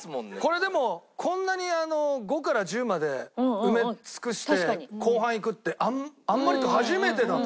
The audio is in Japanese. これでもこんなに５から１０まで埋め尽くして後半いくってあんまり初めてだと思う。